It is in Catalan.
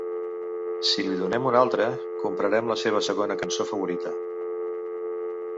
Si li donem un altre, comprarem la seva segona cançó favorita.